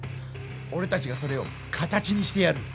俺たちがそれを形にしてやる！